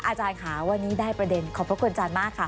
อาจารย์ค่ะวันนี้ได้ประเด็นขอบพระคุณอาจารย์มากค่ะ